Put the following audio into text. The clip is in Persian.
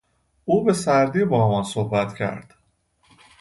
او به سردی با ما صحبت کرد.